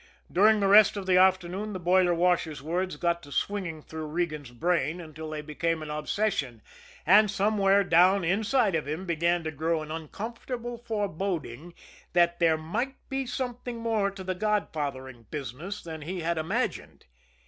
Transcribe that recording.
During the rest of the afternoon the boiler washer's words got to swinging through Regan's brain until they became an obsession, and somewhere down inside of him began to grow an uncomfortable foreboding that there might be something more to the godfathering business than he had imagined.